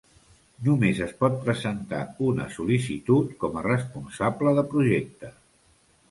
Només es pot presentar una sol·licitud com a responsable de projecte.